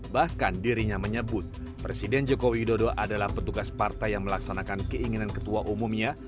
bahkan dirinya menyebut presiden joko widodo adalah petugas partai yang melaksanakan keinginan ketua umumnya